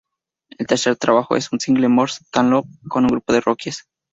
El tercer trabajo es un single "More Than Love" con un grupo de "Rookies".